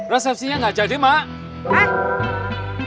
resepsinya nggak jadi mak